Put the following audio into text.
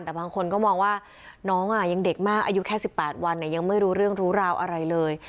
แต่บางคนก็มองว่าน้องยังเด็กมากอายุแค่๑๘วันยังไม่รู้เรื่องรู้ราวอะไรเลย